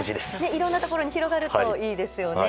いろんなところに広がるといいですね。